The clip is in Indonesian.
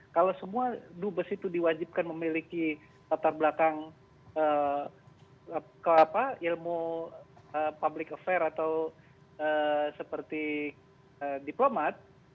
kalau semua dubes itu diwajibkan memiliki latar belakang ilmu public affair atau seperti diplomat